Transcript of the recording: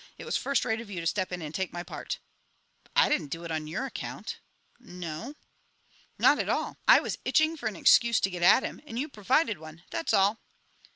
It was first rate of you to step in and take my part." "I didn't do it on your account." "No?" "Not at all. I was itching for an excuse to get at him, and you provided one, that's all."